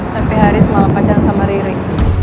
tapi haris malah pacaran sama riri